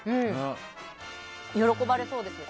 喜ばれそうですよね。